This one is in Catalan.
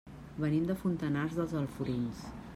Venim de Fontanars dels Alforins.